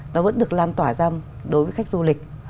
nó vẫn được lan tỏa ra đối với khách du lịch